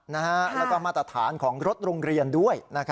แล้วก็มาตรฐานของรถโรงเรียนด้วย